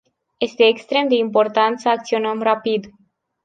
Este extrem de important să acționăm rapid.